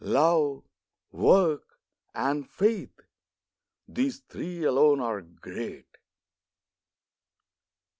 Love, Work, and Faith—these three alone are great.